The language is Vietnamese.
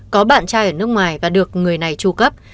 có bạn trai ở nước ngoài và được người này tru cấp